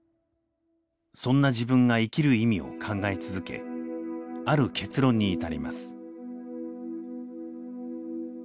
そんな自分が生きる意味を考え続けある結論に至ります。